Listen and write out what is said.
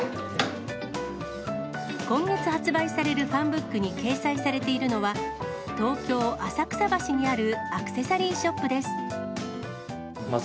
今月発売されるファンブックに掲載されているのは、東京・浅草橋にあるアクセサリーショップです。